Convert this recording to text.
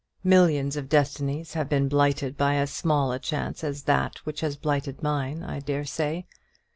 Millions of destinies have been blighted by as small a chance as that which has blighted mine, I dare say.